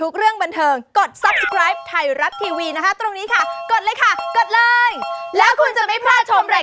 แค่นายเป็นคนสุดท้ายที่จะคิดจริงดีเข้าไปอยู่นี่นั้นซึ่งฉันคุณได้เข้าไป